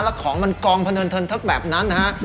แล้วของมันกองพะเนินเทินทึกแบบนั้นนะฮะ